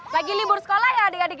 lagi libur sekolah ya adik adik